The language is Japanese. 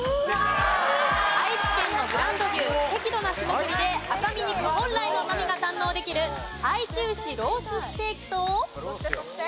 愛知県のブランド牛適度な霜降りで赤身肉本来のうまみが堪能できるあいち牛ロースステーキと。